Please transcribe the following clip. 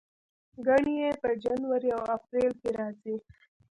ګڼې یې په جنوري او اپریل کې راځي.